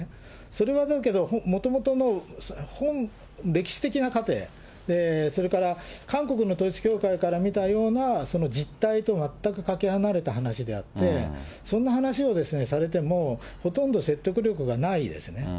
それは、だけど、もともとの歴史的な過程、それから韓国の統一教会から見たような実態と全くかけ離れた話であって、そんな話をされてもほとんど説得力がないですね。